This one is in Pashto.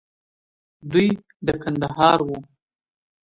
دوى د کندهار وو.